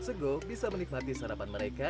sego bisa menikmati sarapan mereka